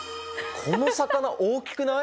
この魚大きくない？